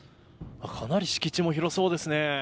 かなり敷地も広そうですね。